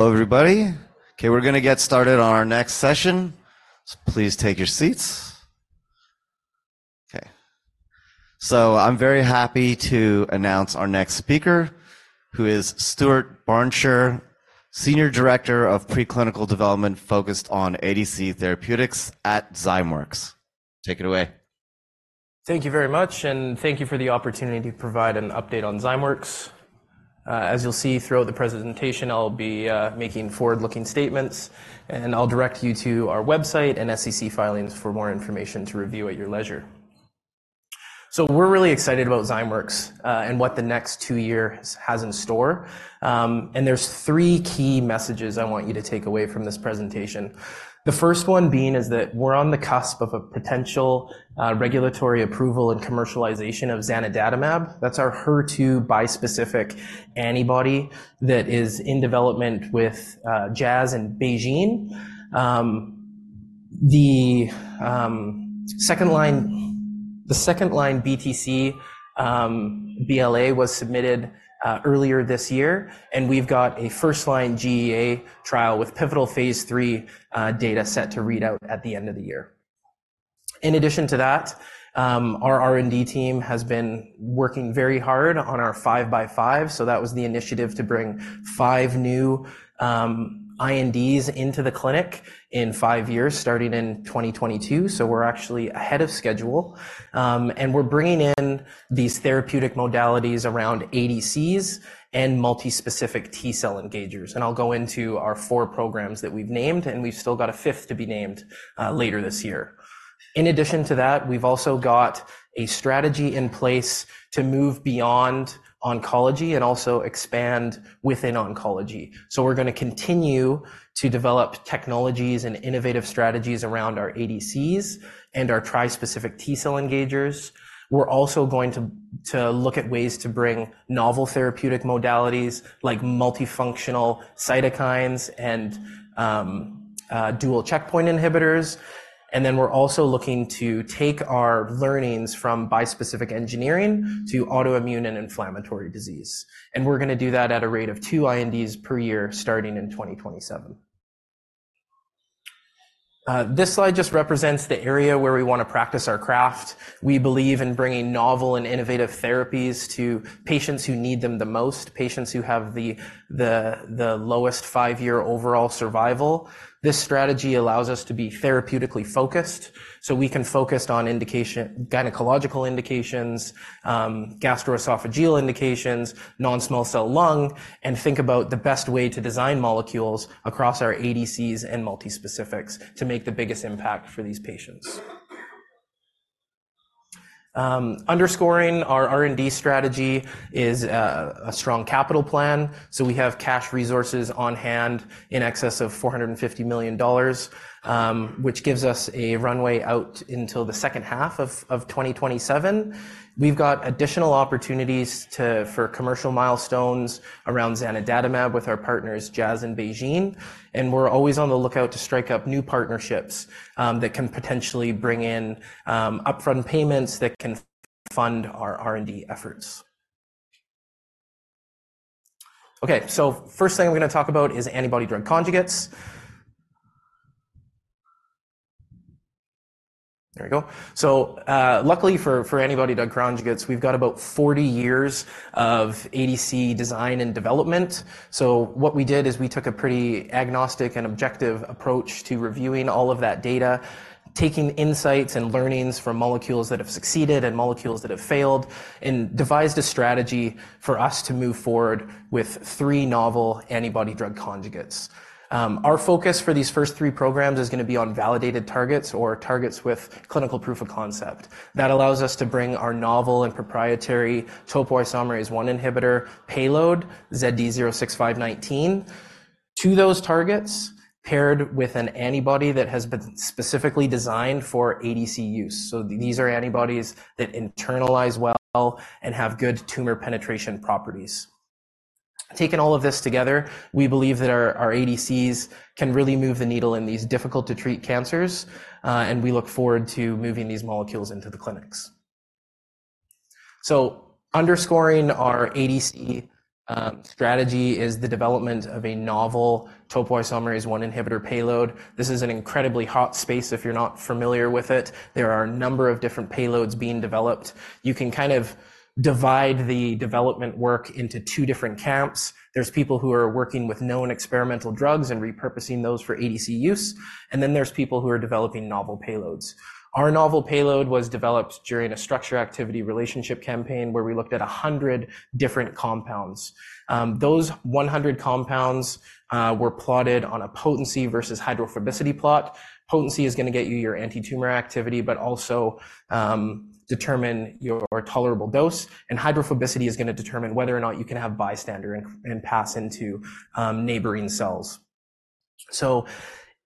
Hello, everybody. Okay, we're going to get started on our next session, so please take your seats. Okay, so I'm very happy to announce our next speaker, who is Stuart Barnscher, Senior Director of Preclinical Development focused on ADC therapeutics at Zymeworks. Take it away. Thank you very much, and thank you for the opportunity to provide an update on Zymeworks. As you'll see throughout the presentation, I'll be making forward-looking statements, and I'll direct you to our website and SEC filings for more information to review at your leisure. So we're really excited about Zymeworks and what the next two years has in store, and there's three key messages I want you to take away from this presentation. The first one being is that we're on the cusp of a potential regulatory approval and commercialization of zanidatamab. That's our HER2 bispecific antibody that is in development with Jazz and BeiGene. The second line BTC BLA was submitted earlier this year, and we've got a first line GEA trial with pivotal phase III data set to read out at the end of the year. In addition to that, our R&D team has been working very hard on our five by five, so that was the initiative to bring five new INDs into the clinic in five years, starting in 2022. So we're actually ahead of schedule, and we're bringing in these therapeutic modalities around ADCs and multispecific T cell engagers. And I'll go into our four programs that we've named, and we've still got a fifth to be named later this year. In addition to that, we've also got a strategy in place to move beyond oncology and also expand within oncology. So we're going to continue to develop technologies and innovative strategies around our ADCs and our trispecific T cell engagers. We're also going to look at ways to bring novel therapeutic modalities like multifunctional cytokines and dual checkpoint inhibitors. Then we're also looking to take our learnings from bispecific engineering to autoimmune and inflammatory disease, and we're going to do that at a rate of two INDs per year, starting in 2027. This slide just represents the area where we want to practice our craft. We believe in bringing novel and innovative therapies to patients who need them the most, patients who have the lowest five-year overall survival. This strategy allows us to be therapeutically focused so we can focus on indication, gynecological indications, gastroesophageal indications, non-small cell lung, and think about the best way to design molecules across our ADCs and multispecifics to make the biggest impact for these patients. Underscoring our R&D strategy is a strong capital plan, so we have cash resources on hand in excess of $450 million, which gives us a runway out until the second half of 2027. We've got additional opportunities for commercial milestones around zanidatamab with our partners Jazz and BeiGene, and we're always on the lookout to strike up new partnerships that can potentially bring in upfront payments that can fund our R&D efforts. Okay, so first thing I'm going to talk about is antibody-drug conjugates. There we go. So luckily for antibody-drug conjugates, we've got about 40 years of ADC design and development. So what we did is we took a pretty agnostic and objective approach to reviewing all of that data, taking insights and learnings from molecules that have succeeded and molecules that have failed, and devised a strategy for us to move forward with three novel antibody-drug conjugates. Our focus for these first three programs is going to be on validated targets or targets with clinical proof of concept. That allows us to bring our novel and proprietary topoisomerase I inhibitor ZD06519, to those targets paired with an antibody that has been specifically designed for ADC use. So these are antibodies that internalize well and have good tumor penetration properties. Taking all of this together, we believe that our ADCs can really move the needle in these difficult-to-treat cancers, and we look forward to moving these molecules into the clinics. So underscoring our ADC strategy is the development of a novel topoisomerase I inhibitor payload. This is an incredibly hot space if you're not familiar with it. There are a number of different payloads being developed. You can kind of divide the development work into two different camps. There's people who are working with known experimental drugs and repurposing those for ADC use, and then there's people who are developing novel payloads. Our novel payload was developed during a structure activity relationship campaign where we looked at 100 different compounds. Those 100 compounds were plotted on a potency versus hydrophobicity plot. Potency is going to get you your antitumor activity, but also determine your tolerable dose. And hydrophobicity is going to determine whether or not you can have bystander and pass into neighboring cells. So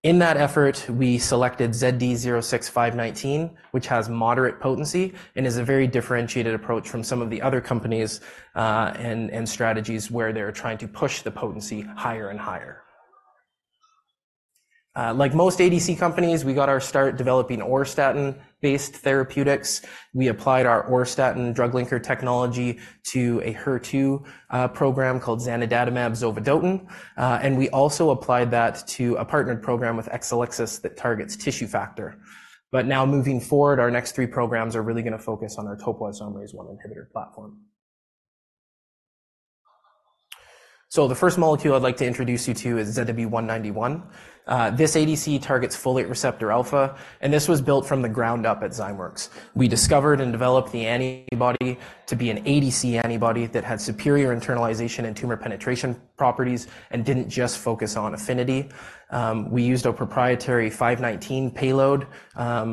in that effort, we selected ZD06519, which has moderate potency and is a very differentiated approach from some of the other companies and strategies where they're trying to push the potency higher and higher. Like most ADC companies, we got our start developing auristatin-based therapeutics. We applied our auristatin drug linker technology to a HER2 program called zanidatamab zovodotin, and we also applied that to a partnered program with Exelixis that targets tissue factor. Now moving forward, our next three programs are really going to focus on our topoisomerase I inhibitor platform. The first molecule I'd like to introduce you to is ZW191. This ADC targets folate receptor alpha, and this was built from the ground up at Zymeworks. We discovered and developed the antibody to be an ADC antibody that had superior internalization and tumor penetration properties and didn't just focus on affinity. We used a proprietary ZD06519 payload,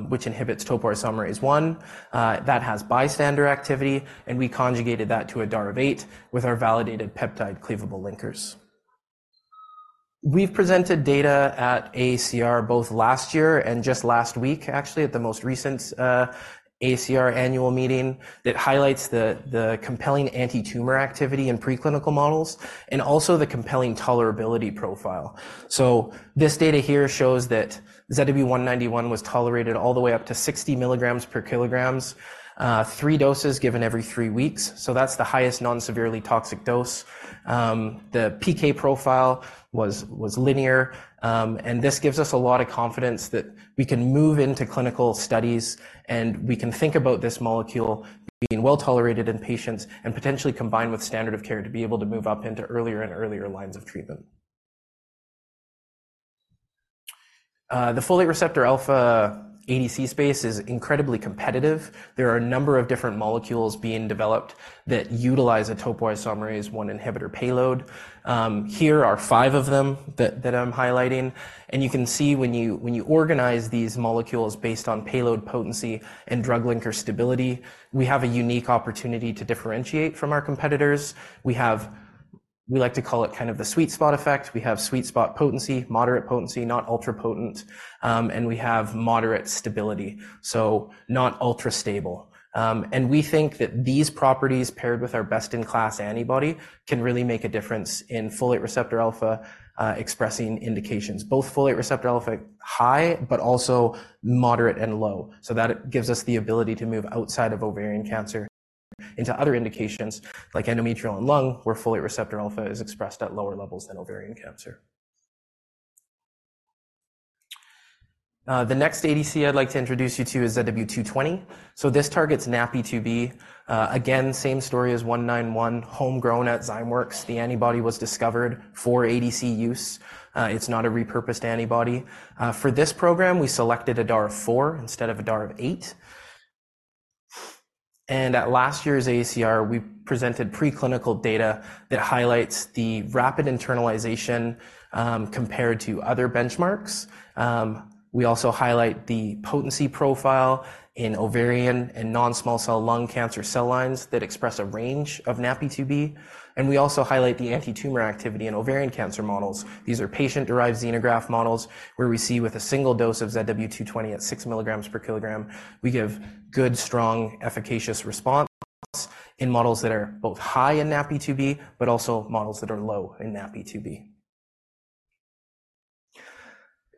which inhibits topoisomerase I. That has bystander activity, and we conjugated that to a DAR of eight with our validated peptide cleavable linkers. We've presented data at AACR both last year and just last week, actually, at the most recent AACR annual meeting that highlights the compelling antitumor activity in preclinical models and also the compelling tolerability profile. So this data here shows that ZW191 was tolerated all the way up to 60 milligrams per kilograms, three doses given every three weeks. So that's the highest non-severely toxic dose. The PK profile was linear, and this gives us a lot of confidence that we can move into clinical studies and we can think about this molecule being well tolerated in patients and potentially combined with standard of care to be able to move up into earlier and earlier lines of treatment. The folate receptor alpha ADC space is incredibly competitive. There are a number of different molecules being developed that utilize a topoisomerase I inhibitor payload. Here are five of them that I'm highlighting. And you can see when you organize these molecules based on payload potency and drug linker stability, we have a unique opportunity to differentiate from our competitors. We like to call it kind of the sweet spot effect. We have sweet spot potency, moderate potency, not ultra potent, and we have moderate stability, so not ultra stable. And we think that these properties paired with our best-in-class antibody can really make a difference in folate receptor alpha expressing indications, both folate receptor alpha high but also moderate and low, so that gives us the ability to move outside of ovarian cancer into other indications like endometrial and lung where folate receptor alpha is expressed at lower levels than ovarian cancer. The next ADC I'd like to introduce you to is ZW220. So this targets NaPi2b. Again, same story as 191, homegrown at Zymeworks. The antibody was discovered for ADC use. It's not a repurposed antibody. For this program, we selected a DAR of four instead of a DAR of eight. At last year's AACR, we presented preclinical data that highlights the rapid internalization compared to other benchmarks. We also highlight the potency profile in ovarian and non-small cell lung cancer cell lines that express a range of NaPi2b. We also highlight the antitumor activity in ovarian cancer models. These are patient-derived xenograft models where we see with a single dose of ZW220 at 6 mg/kg, we give good, strong, efficacious responses in models that are both high in NaPi2b but also models that are low in NaPi2b.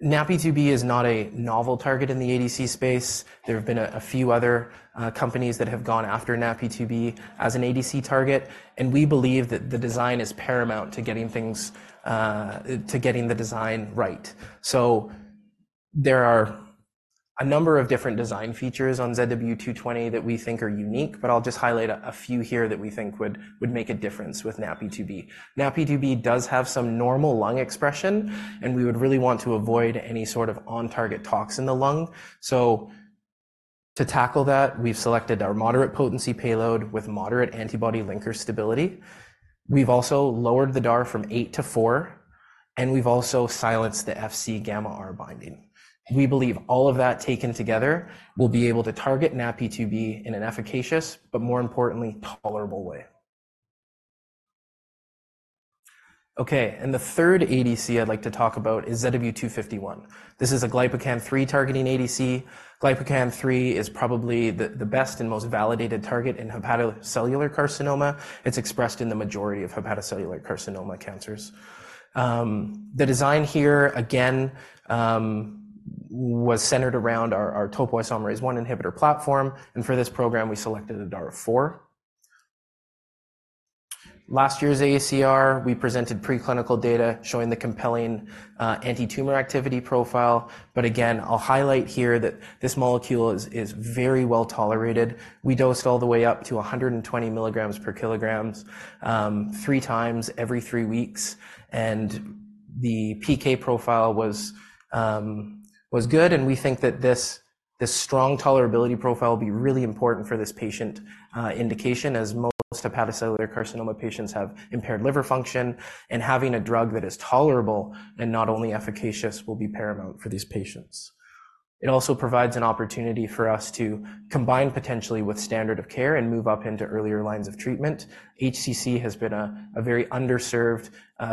NaPi2b is not a novel target in the ADC space. There have been a few other companies that have gone after NaPi2b as an ADC target, and we believe that the design is paramount to getting the design right. So there are a number of different design features on ZW220 that we think are unique, but I'll just highlight a few here that we think would make a difference with NaPi2b. NaPi2b does have some normal lung expression, and we would really want to avoid any sort of on-target toxin in the lung. So to tackle that, we've selected our moderate potency payload with moderate antibody linker stability. We've also lowered the DAR from 8 to 4, and we've also silenced the Fc gamma R binding. We believe all of that taken together will be able to target NaPi2b in an efficacious but, more importantly, tolerable way. Okay, and the third ADC I'd like to talk about is ZW251. This is a glypican-3 targeting ADC. Glypican-3 is probably the best and most validated target in hepatocellular carcinoma. It's expressed in the majority of hepatocellular carcinoma cancers. The design here, again, was centered around our topoisomerase I inhibitor platform, and for this program, we selected a DAR of four. Last year's AACR, we presented preclinical data showing the compelling antitumor activity profile. But again, I'll highlight here that this molecule is very well tolerated. We dosed all the way up to 120 milligrams per kilogram three times every three weeks, and the PK profile was good. And we think that this strong tolerability profile will be really important for this patient indication, as most hepatocellular carcinoma patients have impaired liver function, and having a drug that is tolerable and not only efficacious will be paramount for these patients. It also provides an opportunity for us to combine potentially with standard of care and move up into earlier lines of treatment. HCC has been a very underserved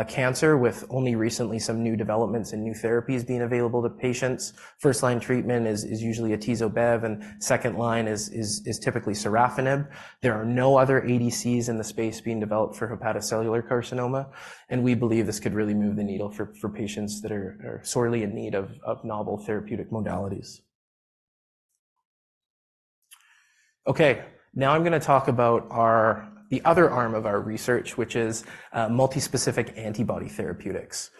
cancer with only recently some new developments and new therapies being available to patients. First-line treatment is usually Atezo Bev, and second-line is typically sorafenib. There are no other ADCs in the space being developed for hepatocellular carcinoma, and we believe this could really move the needle for patients that are sorely in need of novel therapeutic modalities. Okay, now I'm going to talk about the other arm of our research, which is multispecific antibody therapeutics.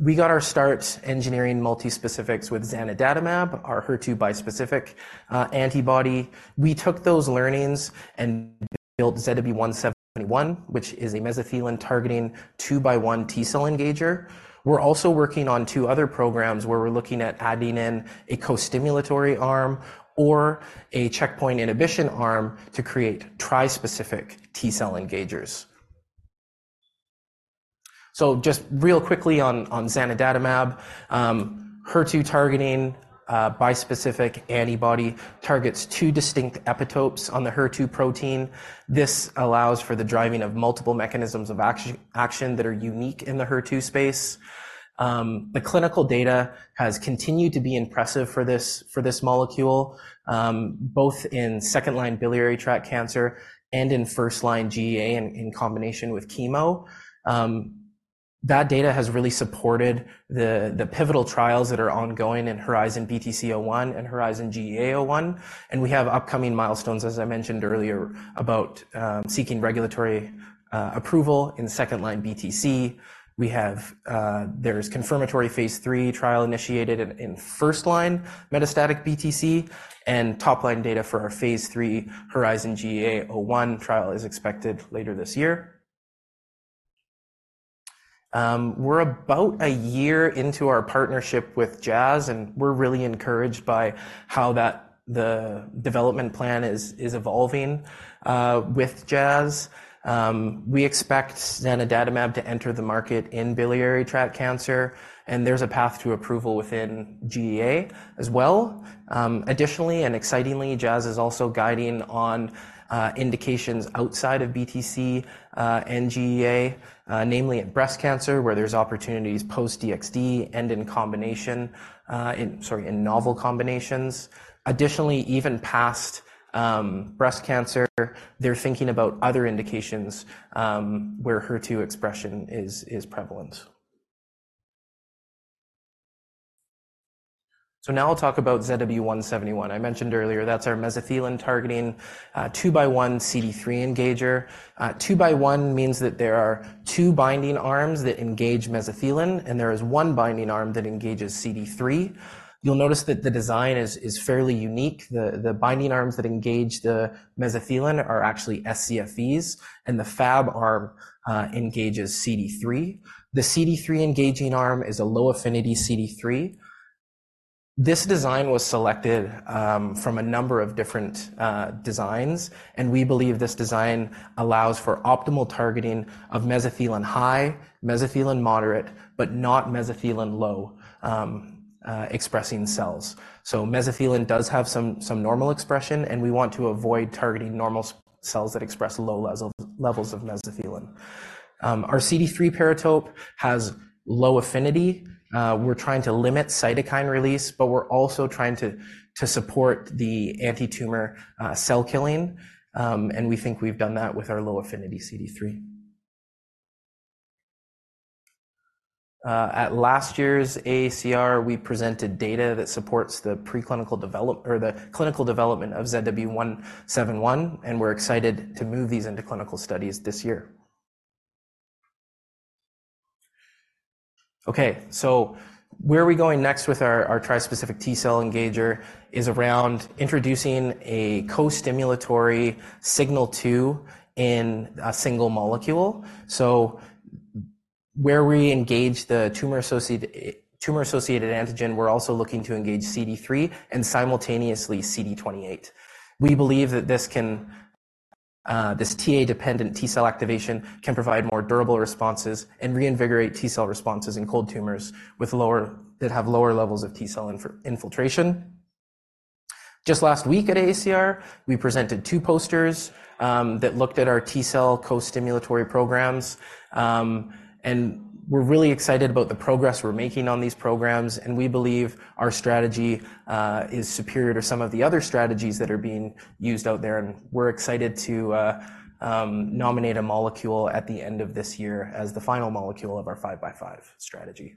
We got our start engineering multispecifics with zanidatamab, our HER2 bispecific antibody. We took those learnings and built ZW171, which is a mesothelin targeting two by one T cell engager. We're also working on two other programs where we're looking at adding in a co-stimulatory arm or a checkpoint inhibition arm to create trispecific T cell engagers. So just real quickly on zanidatamab, HER2 targeting bispecific antibody targets two distinct epitopes on the HER2 protein. This allows for the driving of multiple mechanisms of action that are unique in the HER2 space. The clinical data has continued to be impressive for this molecule, both in second-line biliary tract cancer and in first-line GEA in combination with chemo. That data has really supported the pivotal trials that are ongoing in HERIZON-BTC-01 and HERIZON-GEA-01. And we have upcoming milestones, as I mentioned earlier, about seeking regulatory approval in second-line BTC. There's confirmatory phase III trial initiated in first-line metastatic BTC, and top-line data for our phase III HERIZON-GEA-01 trial is expected later this year. We're about a year into our partnership with Jazz, and we're really encouraged by how the development plan is evolving with Jazz. We expect zanidatamab to enter the market in biliary tract cancer, and there's a path to approval within GEA as well. Additionally, and excitingly, Jazz is also guiding on indications outside of BTC and GEA, namely in breast cancer, where there's opportunities post-DXd and in combination, sorry, in novel combinations. Additionally, even past breast cancer, they're thinking about other indications where HER2 expression is prevalent. So now I'll talk about ZW171. I mentioned earlier, that's our mesothelin targeting two by one CD3 engager. Two by one means that there are two binding arms that engage mesothelin, and there is one binding arm that engages CD3. You'll notice that the design is fairly unique. The binding arms that engage the mesothelin are actually scFvs, and the Fab arm engages CD3. The CD3 engaging arm is a low-affinity CD3. This design was selected from a number of different designs, and we believe this design allows for optimal targeting of mesothelin high, mesothelin moderate, but not mesothelin low expressing cells. So mesothelin does have some normal expression, and we want to avoid targeting normal cells that express low levels of mesothelin. Our CD3 paratope has low affinity. We're trying to limit cytokine release, but we're also trying to support the antitumor cell killing, and we think we've done that with our low affinity CD3. At last year's AACR, we presented data that supports the preclinical development or the clinical development of ZW171, and we're excited to move these into clinical studies this year. Okay, so where are we going next with our trispecific T cell engager is around introducing a co-stimulatory signal two in a single molecule. So where we engage the tumor-associated antigen, we're also looking to engage CD3 and simultaneously CD28. We believe that this TA-dependent T cell activation can provide more durable responses and reinvigorate T cell responses in cold tumors that have lower levels of T cell infiltration. Just last week at AACR, we presented two posters that looked at our T cell co-stimulatory programs, and we're really excited about the progress we're making on these programs. And we believe our strategy is superior to some of the other strategies that are being used out there, and we're excited to nominate a molecule at the end of this year as the final molecule of our five by five strategy.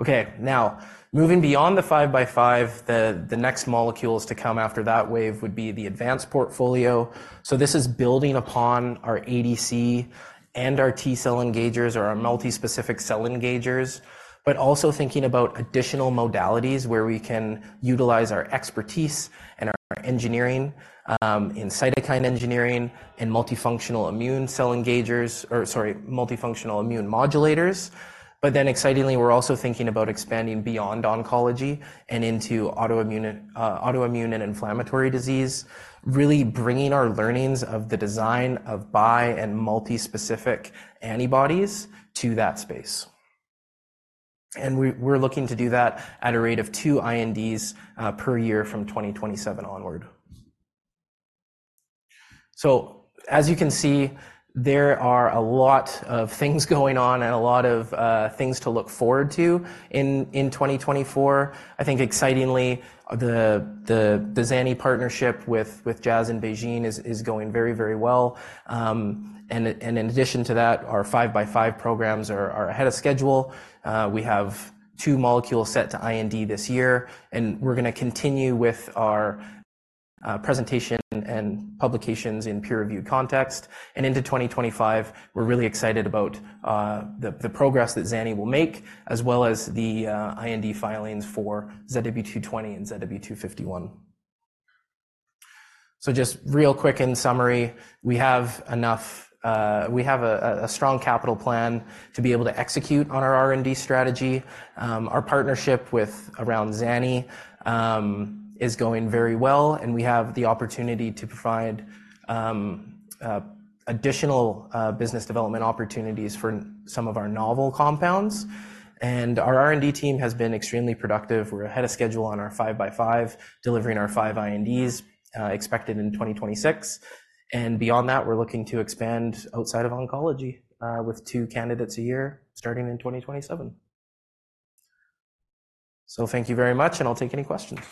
Okay, now moving beyond the five by five, the next molecules to come after that wave would be the advanced portfolio. So this is building upon our ADC and our T cell engagers or our multispecific cell engagers, but also thinking about additional modalities where we can utilize our expertise and our engineering in cytokine engineering and multifunctional immune cell engagers or, sorry, multifunctional immune modulators. But then, excitingly, we're also thinking about expanding beyond oncology and into autoimmune and inflammatory disease, really bringing our learnings of the design of bi- and multispecific antibodies to that space. And we're looking to do that at a rate of two INDs per year from 2027 onward. So as you can see, there are a lot of things going on and a lot of things to look forward to in 2024. I think, excitingly, the zani partnership with Jazz in BeiGene is going very, very well. And in addition to that, our five by five programs are ahead of schedule. We have two molecules set to IND this year, and we're going to continue with our presentation and publications in peer-reviewed context. Into 2025, we're really excited about the progress that zani will make as well as the IND filings for ZW220 and ZW251. So just real quick in summary, we have enough. We have a strong capital plan to be able to execute on our R&D strategy. Our partnership around zani is going very well, and we have the opportunity to provide additional business development opportunities for some of our novel compounds. Our R&D team has been extremely productive. We're ahead of schedule on our five by five, delivering our 5 INDs expected in 2026. Beyond that, we're looking to expand outside of oncology with 2 candidates a year starting in 2027. So thank you very much, and I'll take any questions.